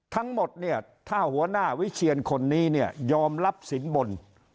ทั้งหมดเนี่ยถ้าหัวหน้าวิเชียนคนนี้เนี่ยยอมรับสินบน